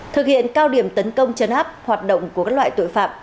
thực hiện cao điểm tấn công chấn áp hoạt động của các loại tội phạm